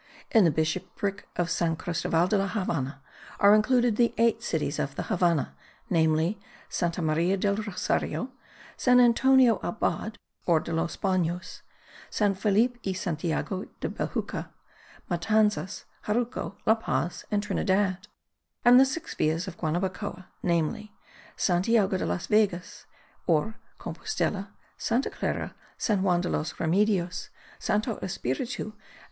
In the bishopric of San Cristoval de la Havannah are included the eight cities of the Havannah, namely: Santa Maria del Rosario, San Antonio Abad or de los Banos, San Felipe y Santiago del Bejucal, Matanzas, Jaruco, La Paz and Trinidad, and the six villas of Guanabacoa, namely: Santiago de las Vegas or Compostela, Santa Clara, San Juan de los Remedios, Santo Espiritu and S.